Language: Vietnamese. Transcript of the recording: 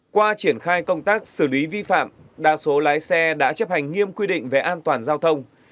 qua triển khai công tác xử lý vi phạm đa số lái xe đã chấp hành nghiêm quy định về an toàn giao thông